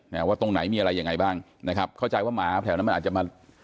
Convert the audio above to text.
ว่าตรงไหนมีอะไรยังไงบ้างนะครับเข้าใจว่าหมาแถวนั้นมันอาจจะมา